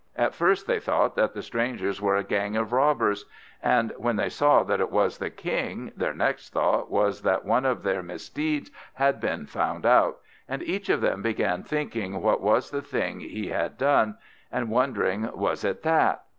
At first they thought that the strangers were a gang of robbers; and when they saw that it was the King, their next thought was that one of their misdeeds had been found out, and each of them began thinking what was the last thing he had done, and wondering, was it that?